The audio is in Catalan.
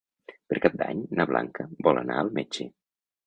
Per Cap d'Any na Blanca vol anar al metge.